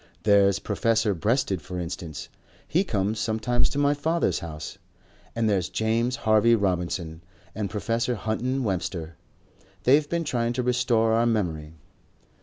There's Professor Breasted for instance. He comes sometimes to my father's house. And there's James Harvey Robinson and Professor Hutton Webster. They've been trying to restore our memory."